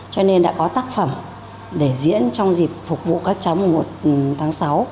cho nên đã có tác phẩm để diễn trong dịp phục vụ các cháu mùng một tháng sáu